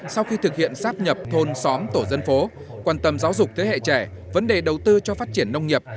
sau khi thực hiện sáp nhập thôn xóm tổ dân phố quan tâm giáo dục thế hệ trẻ vấn đề đầu tư cho phát triển nông nghiệp